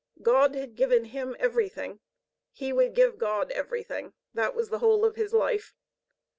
God had given him everything, he would give God everything: that was the whole of his life.